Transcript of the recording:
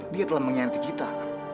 dia telah mengkhianati kita